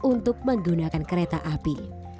untuk menggunakan kereta api